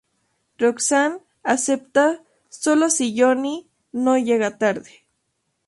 Roxanne acepta, sólo si Johnny no llega tarde.